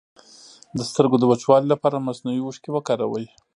د سترګو د وچوالي لپاره مصنوعي اوښکې وکاروئ